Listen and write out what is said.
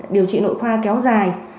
điều trị nội khoa kéo dài